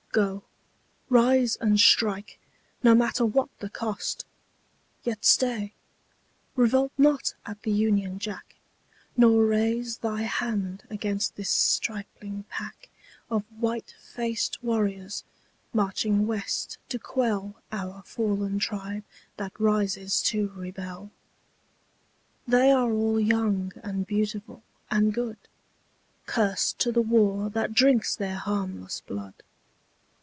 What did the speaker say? Go; rise and strike, no matter what the cost. Yet stay. Revolt not at the Union Jack, Nor raise Thy hand against this stripling pack Of white faced warriors, marching West to quell Our fallen tribe that rises to rebel. They all are young and beautiful and good; Curse to the war that drinks their harmless blood.